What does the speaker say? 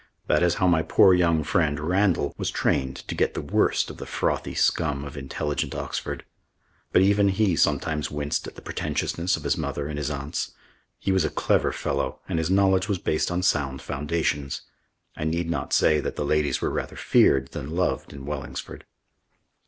That is how my poor young friend, Randall, was trained to get the worst of the frothy scum of intelligent Oxford. But even he sometimes winced at the pretentiousness of his mother and his aunts. He was a clever fellow and his knowledge was based on sound foundations. I need not say that the ladies were rather feared than loved in Wellingsford.